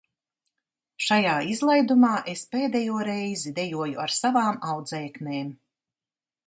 Šajā izlaidumā es pēdējo reizi dejoju ar savām audzēknēm.